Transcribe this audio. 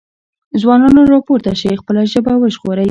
ځوانانو راپورته شئ خپله ژبه وژغورئ۔